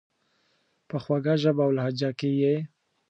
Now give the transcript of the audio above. په خوږه ژبه اولهجه کي یې،